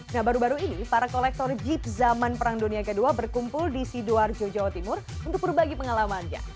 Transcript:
nah baru baru ini para kolektor jeep zaman perang dunia ii berkumpul di sidoarjo jawa timur untuk berbagi pengalamannya